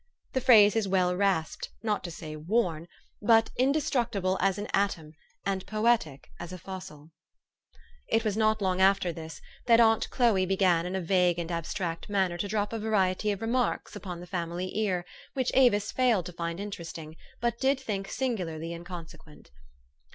The phrase is well rasped, not to say worn, but indestructible as an atom, and poetic as a fossil. 224 THE STORY OF AVIS. It was not long after this, that aunt Chloe began in a vague and abstract manner to drop a variety of remarks upon the family ear, which Avis failed to find interesting, but did think singularly inconse quent.